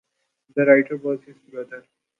The writer was his brother.